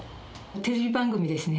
テレビ番組ですね。